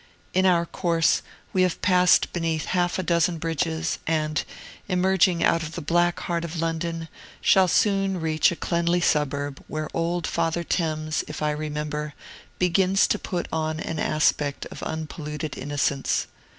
In our course, we have passed beneath half a dozen bridges, and, emerging out of the black heart of London, shall soon reach a cleanly suburb, where old Father Thames, if I remember, begins to put on an aspect of unpolluted innocence.